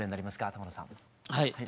玉野さん。